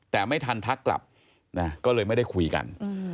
แต่ไม่ทันทักกลับนะก็เลยไม่ได้คุยกัน